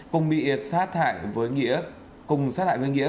cùng bị sát hại với nghĩa